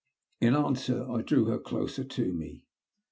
In answer I drew her closer to me.